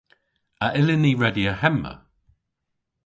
A yllyn ni redya hemma?